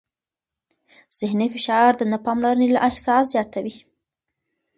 ذهني فشار د نه پاملرنې احساس زیاتوي.